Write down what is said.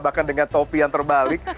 bahkan dengan topi yang terbalik